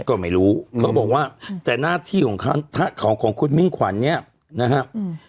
ก็ไม่รู้เขาบอกว่าแต่หน้าที่ของเขาของคุณมิ่งขวัญเนี่ยนะครับอืม